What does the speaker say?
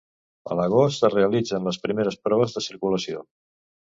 A l'agost es realitzen les primeres proves de circulació.